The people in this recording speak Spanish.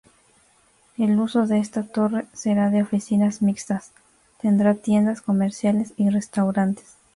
El uso de esta torre será de oficinas mixtas; tendrá tiendas comerciales y restaurantes.